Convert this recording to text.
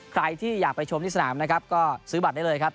ใครที่อยากไปชมที่สนามนะครับก็ซื้อบัตรได้เลยครับ